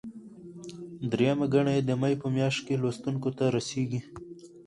درېیمه ګڼه یې د مې په میاشت کې لوستونکو ته رسیږي.